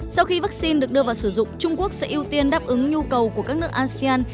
sau khi vaccine được đưa vào sử dụng trung quốc sẽ ưu tiên đáp ứng nhu cầu của các nước asean